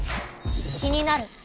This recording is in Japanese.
気になる。